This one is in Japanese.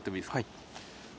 はい。